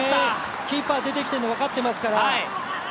キーパー出てきているの分かっていますから。